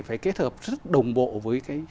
phải kết hợp rất đồng bộ với cái